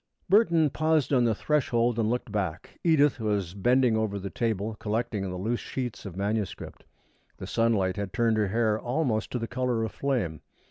Burton paused on the threshold and looked back. Edith was bending over the table, collecting the loose sheets of manuscript. The sunlight had turned her hair almost to the color of flame.